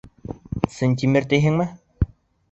— Сынтимер тиһеңме...